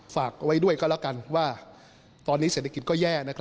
ฝากไว้ด้วยก็แล้วกันว่าตอนนี้เศรษฐกิจก็แย่